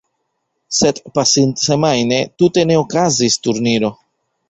Sed pasintsemajne tute ne okazis turniro.